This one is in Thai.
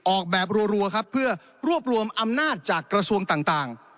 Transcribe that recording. ออกแบบรัวครับเพื่อรวบรวมอำนาจจากกระทรวงต่าง